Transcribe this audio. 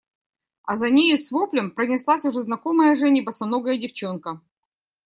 А за нею с воплем пронеслась уже знакомая Жене босоногая девчонка.